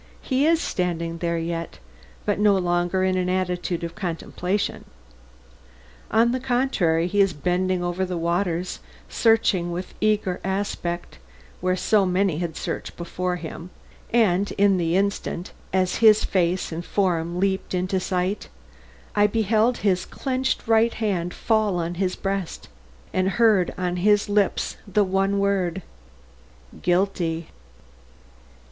He is standing there yet, but no longer in an attitude of contemplation. On the contrary, he is bending over the waters searching with eager aspect, where so many had searched before him, and, in the instant, as his face and form leaped into sight, I beheld his clenched right hand fall on his breast and heard on his lips the one word "Guilty!"